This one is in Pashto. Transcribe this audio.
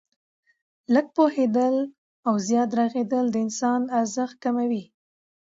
لږ پوهېدل او زیات ږغېدل د انسان ارزښت کموي.